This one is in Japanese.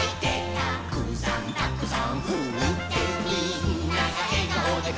「たくさんたくさんふって」「みんながえがおでふって」